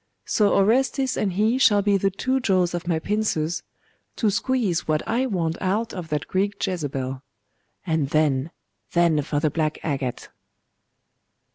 So Orestes and he shall be the two jaws of my pincers, to squeeze what I want out of that Greek Jezebel.. And then, then for the black agate!